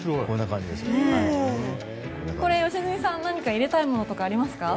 これ、良純さん何か入れたいものとかありますか？